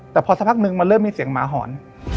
แต่พอสักพักนึงมันเริ่มมีเสียงหมาหอน